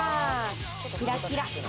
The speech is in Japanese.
キラキラ。